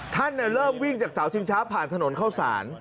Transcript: ท่านเริ่มวิ่งจากเสาชิงช้าผ่านถนนเข้าสาร